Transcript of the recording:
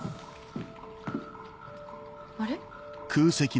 あれ？